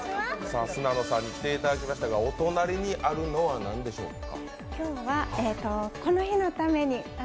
さあ、来ていただきましたがお隣にあるのは何でしょうか？